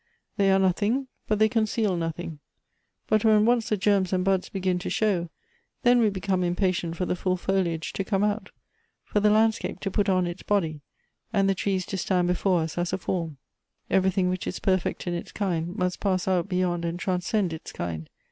They are nothing, but they conceal nothing; but when once the germs and buds begin to show, then we become impatient for the full foliage to come out, for the landscape to put on its body, and the trees to stand before us as a form." " Everything which is perfect in its kind, must pass out beyond and transcend its kind.